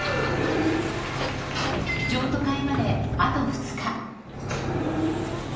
譲渡会まであと２日。